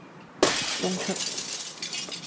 中出